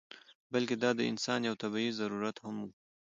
بلکې دا د انسان یو طبعي ضرورت هم و.